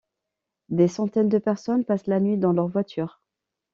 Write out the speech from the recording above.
Des centaines de personnes passent la nuit dans leurs voitures.